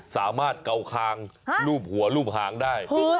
สามารถเก่าคางรูปหัวรูปหางได้